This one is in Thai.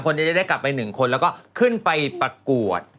เป็น๓คนใน๓คนจะได้กลับไป๑คนแล้วก็ขึ้นไปประกวด